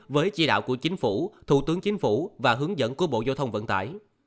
với chỉ đạo của chính phủ thủ tướng chính phủ và hướng dẫn của bộ giao thông vận tải